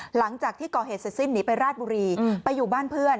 หลังจากที่ก่อเหตุเสร็จสิ้นหนีไปราชบุรีไปอยู่บ้านเพื่อน